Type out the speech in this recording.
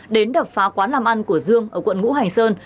đến đập phá quán làm ăn của dương ở quận ngũ hành sơn